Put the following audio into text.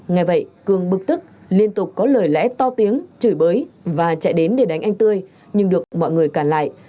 nghe vậy cường bực tức liên tục có lời lẽ to tiếng chửi bới và chạy đến để đánh anh tươi nhưng được mọi người cản lại